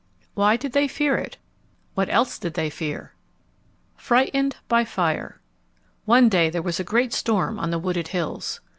Why did they fear it? What else did they fear? Frightened by Fire One day there was a great storm on the wooded hills.